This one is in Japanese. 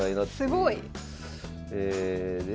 すごい！えで？